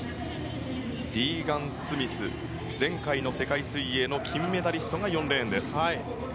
リーガン・スミス前回の世界水泳の金メダリストが４レーンです。